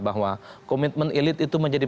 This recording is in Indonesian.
bahwa komitmen elit itu menjadi